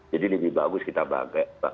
jadi lebih bagus kita bagi